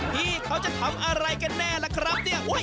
พี่เขาจะทำอะไรกันแน่ล่ะครับเนี่ย